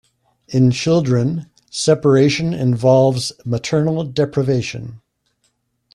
In children, separation involves maternal deprivation.